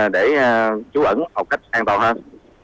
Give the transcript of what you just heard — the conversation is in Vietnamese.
để chú ẩn học cách an toàn hơn